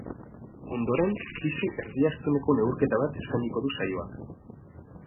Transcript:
Ondoren, pisu erdiastuneko neurketa bat eskainiko du saioak.